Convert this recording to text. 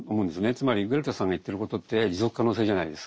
つまりグレタさんが言ってることって持続可能性じゃないですか。